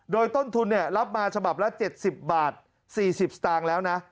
โดยต้นทุนรับมาฉบับละ๗๐บาท๔๐สตางค์แล้วนะ